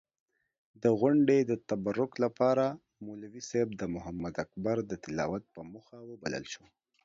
د غونډې د تبرک لپاره مولوي صېب محمداکبر د تلاوت پۀ موخه وبلل شو.